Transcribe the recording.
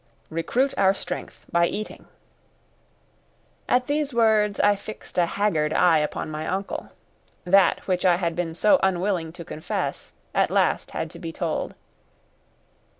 "Recruit our strength by eating." At these words I fixed a haggard eye upon my uncle. That which I had been so unwilling to confess at last had to be told.